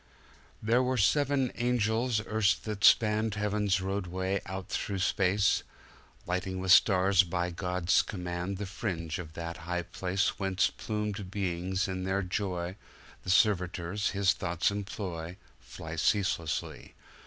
There were seven angels erst that spanned Heaven's roadway out through space, Lighting with stars, by God's command, The fringe of that high placeWhence plumed beings in their joy, The servitors His thoughts employ, Fly ceaselessly.